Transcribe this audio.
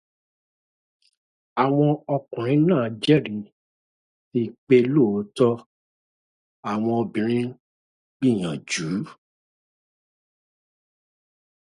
Àwọn ọkùnrin náà jẹ́ ẹ̀rí si pé lóòótọ́, àwọn obìnrin ń gbìyànjú.